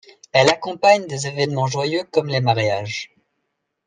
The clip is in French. Elle accompagne des événements joyeux comme les mariages.